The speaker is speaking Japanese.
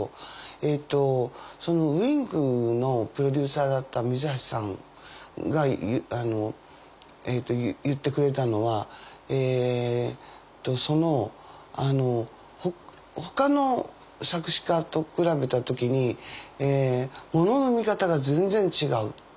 えとＷｉｎｋのプロデューサーだった水橋さんが言ってくれたのはえとその「ほかの作詞家と比べた時にものの見方が全然違う」。